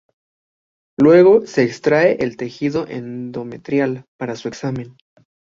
Luego se extrae el tejido endometrial para su examen.